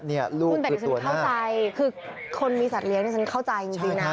คุณแต่ดิฉันเข้าใจคือคนมีสัตว์เลี้ยนี่ฉันเข้าใจจริงนะ